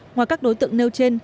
ngoài các đối tượng nêu trên